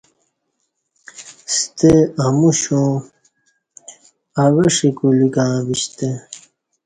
ستہ اموشیوں اوہ ݜی کلیکں وشتہ